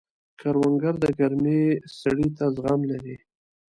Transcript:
کروندګر د ګرمۍ سړې ته زغم لري